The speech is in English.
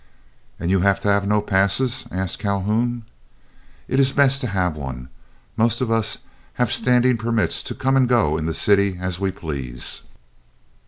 "And you have to have no passes?" asked Calhoun. "It is best to have one. Most of us have standing permits to come and go in the city as we please."